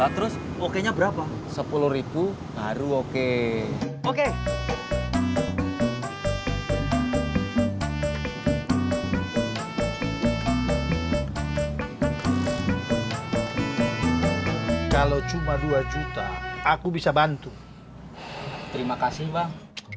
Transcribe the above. terima kasih bang